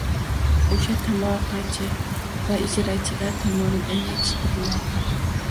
o‘sha tomorqachi va ijarachilar tomonidan yetishtiriladi.